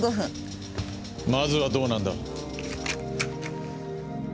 まずはどうなんだ？